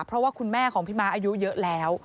เพราะว่าคุณแม่ของพี่ม้าอายุเยอะแล้ว